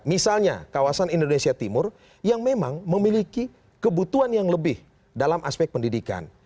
misalnya kawasan indonesia timur yang memang memiliki kebutuhan yang lebih dalam aspek pendidikan